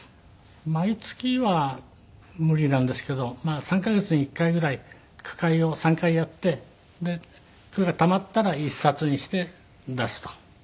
毎月は無理なんですけど３カ月に１回ぐらい句会を３回やってでそれがたまったら一冊にして出すと。